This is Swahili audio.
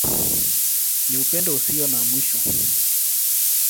Ni Upendo Usio na Mwisho.